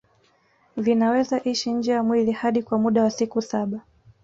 Vinaweza ishi nje ya mwili hadi kwa muda wa siku saba